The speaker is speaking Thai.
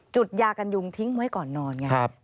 ยากันยุงทิ้งไว้ก่อนนอนไง